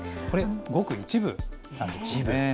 これ、ごく一部なんですね。